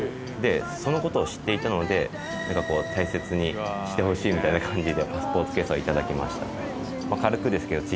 そのことを知っていたので大切にしてほしいみたいな感じでパスポートケースは頂きました。